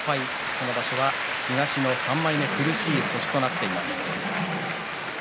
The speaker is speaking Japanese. この場所は東の３枚目苦しい星となっています。